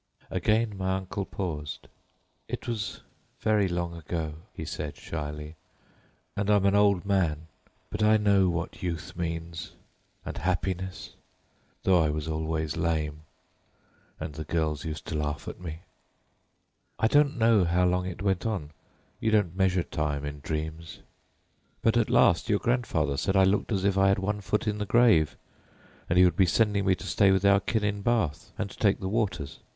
Again my uncle paused. "It's very long ago," he said slowly, "and I'm an old man; but I know what youth means, and happiness, though I was always lame, and the girls used to laugh at me. I don't know how long it went on—you don't measure time in dreams—but at last your grandfather said I looked as if I had one foot in the grave, and he would be sending me to stay with our kin at Bath and take the waters.